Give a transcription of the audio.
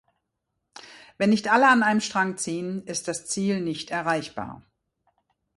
Wenn nicht alle an einem Strang ziehen, ist das Ziel nicht erreichbar.